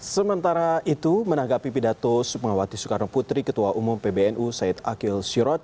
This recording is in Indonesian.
sementara itu menanggapi pidato pengawati soekarno putri ketua umum pbnu syed akil siroj